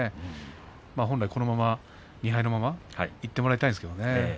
本来、このまま、２敗のままいってもらいたいですね。